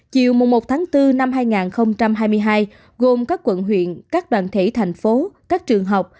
chiều một bốn hai nghìn hai mươi hai gồm các quận huyện các đoàn thể thành phố các trường học